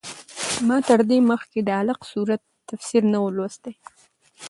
ما تر دې مخکې د علق سورت تفسیر نه و لوستی.